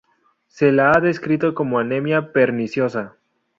Se la ha descrito como anemia perniciosa.